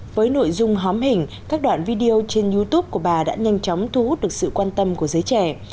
với nội dung hóm hình các đoạn video trên youtube của bà đã nhanh chóng thu hút được sự quan tâm của giới trẻ